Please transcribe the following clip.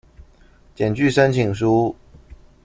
檢具申請書